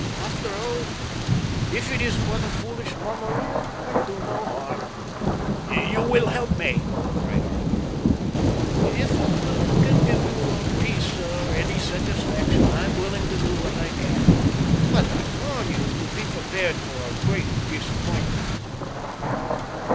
"After all, if it is but a foolish mummery it can do no harm." "You will help me?" cried Arthur. "If it can give you any peace or any satisfaction, I am willing to do what I can. But I warn you to be prepared for a great disappointment."